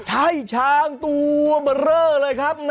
ใช่ช้างตัวเบอร์เรอเลยครับ